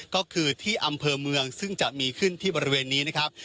ก็คือที่อำเภอเมืองซึ่งจะมีขึ้นที่บริเวณนี้นะครับ